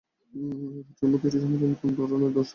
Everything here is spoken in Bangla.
রুটের মতে, এটি সম্পূর্ণ নতুন ধরনের দর্শকদের আকৃষ্ট করবে।